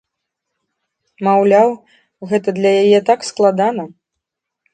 Маўляў, гэта для яе так складана.